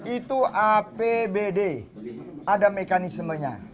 itu apbd ada mekanismenya